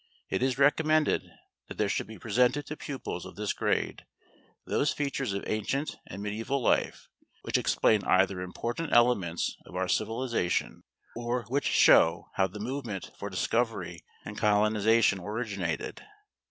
It is recommended that there should be presented to pupils of this grade those features of ancient and medieval life which explain either important elements of our civilization or which show how the movement for discovery and colonization originated.